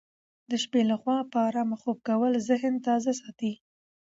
د شپې لخوا په ارامه خوب کول ذهن تازه ساتي.